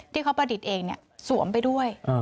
ที่เขาประดิษฐ์เองสวมไปด้วย